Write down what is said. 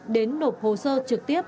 đến nộp hồ sơ trực tiếp